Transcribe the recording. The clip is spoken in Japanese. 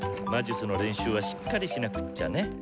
魔術の練習はしっかりしなくっちゃね。